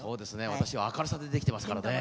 私は明るさでできてますからね。